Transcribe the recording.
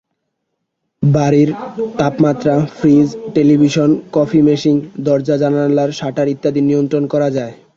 বাড়ির তাপমাত্রা, fridge, television, coffee machine, দরজা-জানালার শাটার ইত্যাদি নিয়ন্ত্রণ করা যায়।